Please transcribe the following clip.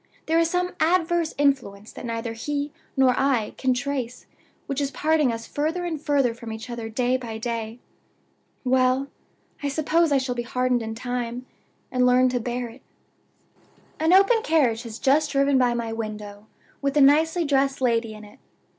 There is some adverse influence that neither he nor I can trace which is parting us further and further from each other day by day. Well! I suppose I shall be hardened in time, and learn to bear it. "An open carriage has just driven by my window, with a nicely dressed lady in it.